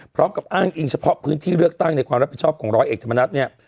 พร้อมกับอ้างอิงเฉพาะพื้นที่เลือกตั้งในความรับผิดชอบของร้อยเอกธรรมนัฐเนี่ย